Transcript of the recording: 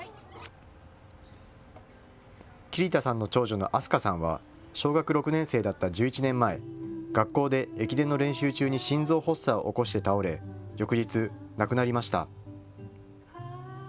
桐田さんの長女の明日香さんは小学６年生だった１１年前、学校で駅伝の練習中に心臓発作を起こして倒れ翌日、亡くなりました。